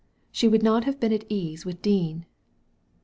She would not have been at ease with Dean."